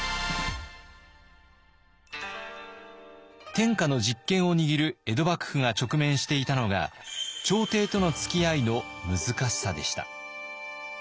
天下の実権を握る江戸幕府が直面していたのが朝廷とのつきあいの難しさでした。